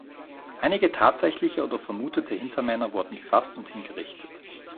Einige tatsächliche oder vermutete Hintermänner wurden gefasst und hingerichtet.